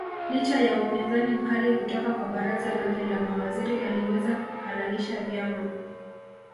Licha ya upinzani mkali kutoka kwa baraza lake la mawaziri aliweza kuhalalisha vyama